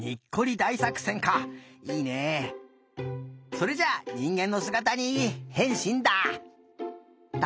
それじゃあにんげんのすがたにへんしんだ。